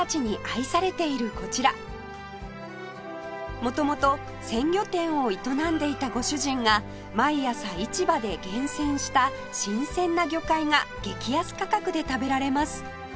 元々鮮魚店を営んでいたご主人が毎朝市場で厳選した新鮮な魚介が激安価格で食べられます